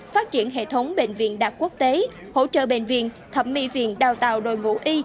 phát triển hệ thống bệnh viện đạt quốc tế hỗ trợ bệnh viện thẩm mỹ viện đào tạo đội ngũ y